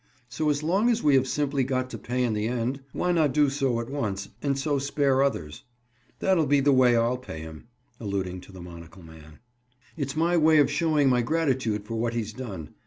So as long as we have simply got to pay in the end, why not do so at once and so spare others? That'll be the way I'll pay him." Alluding to the monocle man. "It's my way of showing my gratitude for what he's done.